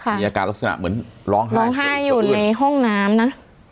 มีอาการลักษณะเหมือนร้องไห้อยู่ในห้องน้ำนะ